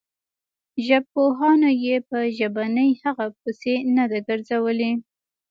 ژبپوهانو یې په ژبنۍ هغې پسې نه ده ګرځولې.